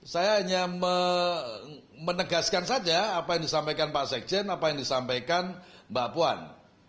saya hanya menegaskan saja apa yang disampaikan pak sekjen apa yang disampaikan mbak puan